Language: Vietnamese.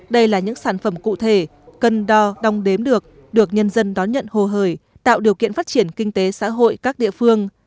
đây là những sản phẩm cụ thể cân đo đong đếm được được nhân dân đón nhận hồ hời tạo điều kiện phát triển kinh tế xã hội các địa phương